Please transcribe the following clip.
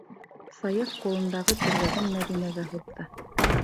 - Саяф ҡулындағы төргәген Мәҙинәгә һуҙҙы.